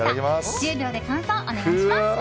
１０秒で感想をお願いします。